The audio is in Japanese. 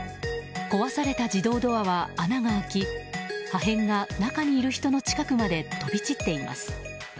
壊された自動ドアは穴が開き破片が中にいる人の近くにまで飛び散っています。